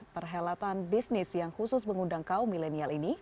perhelatan bisnis yang khusus mengundang kaum milenial ini